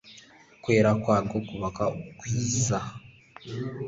kwera kwarwo kubaka kwiza